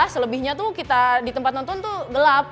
selebihnya tuh kita di tempat nonton tuh gelap